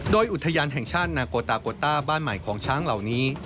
โดยอุทยานแห่งชาตินาโกตาโกต้าบ้านใหม่ของช้างเหล่านี้